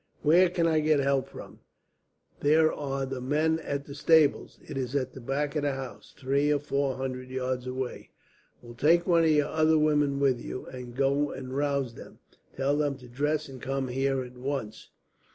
"Where can I get help from?" "There are the men at the stables. It is at the back of the house, three or four hundred yards away." "Well, take one of the other women with you, and go and rouse them. Tell them to dress and come here, at once."